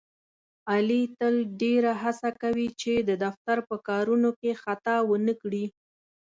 علي تل ډېره هڅه کوي، چې د دفتر په کارونو کې خطا ونه کړي.